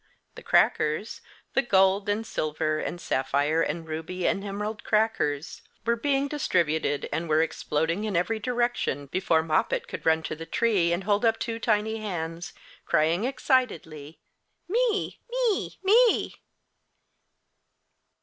The crackers the gold and silver and sapphire and ruby and emerald crackers were being distributed, and were exploding in every direction before Moppet could run to the tree and hold up two tiny hands, crying excitedly, "Me, me, me!"